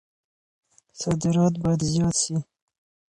صادرات بايد زيات سي.